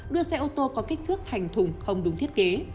đưa xe ô tô có kích thước thành thùng không đúng thiết kế